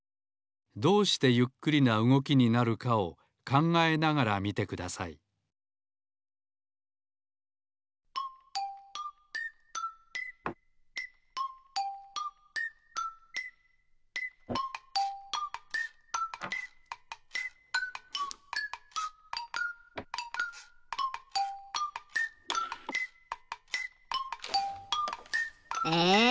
どうしてゆっくりなうごきになるかを考えながら見てくださいえ